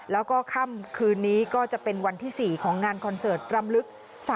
แล้วก็ค่ำคืนนี้ก็จะเป็นวันที่๔ของงานคอนเสิร์ตรำลึก